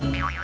yuk yuk yuk